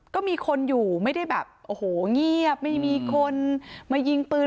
ก็มีคนอยู่ไม่ได้แบบโอ้โหเงียบไม่มีคนมายิงปืน